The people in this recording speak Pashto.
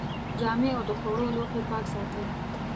جامې او د خوړو لوښي پاک ساتئ.